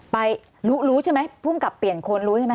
ไปรู้รู้ใช่ไหมภูมิกับเปลี่ยนคนรู้ใช่ไหม